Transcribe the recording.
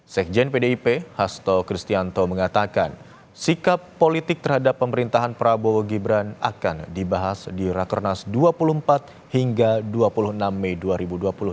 sekjen pdip hasto kristianto mengatakan sikap politik terhadap pemerintahan prabowo gibran akan dibahas di rakernas dua puluh empat hingga dua puluh enam mei dua ribu dua puluh tiga